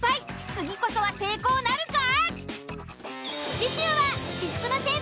次こそは成功なるか？